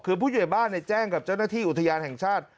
หรือผู้อย่วยบ้านเนี่ยแจ้งกับเจ้าหน้าที่อุทยานแห่งชาติ